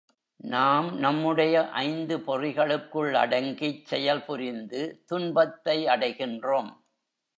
நாம் நம்முடைய ஐந்து பொறிகளுக்குள் அடங்கிச் செயல்புரிந்து துன்பத்தை அடைகின்றோம்.